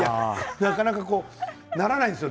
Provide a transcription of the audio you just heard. なかなかならないんですよ